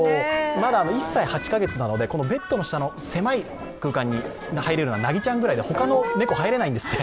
まだ１歳８カ月なので、ベッドの下に狭い空間に入れるのは凪ちゃんくらいで、他の猫は入れないんですって。